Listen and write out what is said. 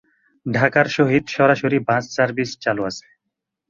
ঢাকার সহিত সরাসরি বাস সার্ভিস চালু আছে।